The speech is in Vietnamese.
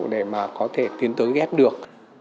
để có thể tiến tới ghép được